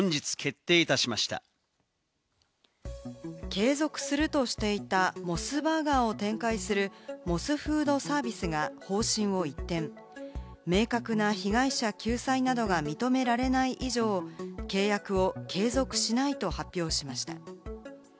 継続するとしていたモスバーガーを展開するモスフードサービスが方針を一転、明確な被害者救済などが認められない以上、契約を継続しないと発表しました。